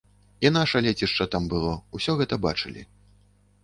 І наша лецішча там было, усё гэта бачылі.